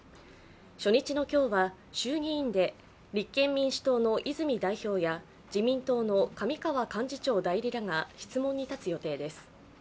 初日の今日は、衆議院で立憲民主党の泉代表や、自民党の上川幹事長代理らが質問に立つ予定です。